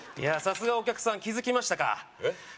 さすがお客さん気づきましたかえっ？